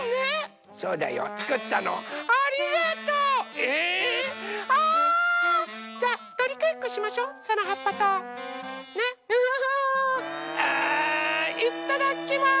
え⁉いただきます！